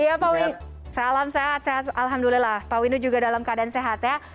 iya pak wi salam sehat sehat alhamdulillah pak windu juga dalam keadaan sehat ya